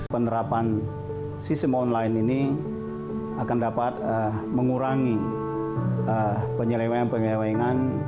penerapan sistem online ini akan dapat mengurangi penyelewengan penyelewengan